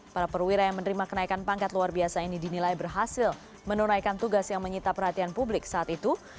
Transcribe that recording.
para perwira yang menerima kenaikan pangkat luar biasa ini dinilai berhasil menunaikan tugas yang menyita perhatian publik saat itu